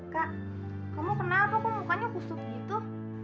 kak kamu kenapa kok mukanya kusuk gitu